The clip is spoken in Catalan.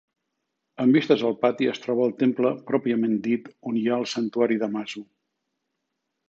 Amb vistes al pati es troba el temple pròpiament dit on hi ha el santuari de Mazu.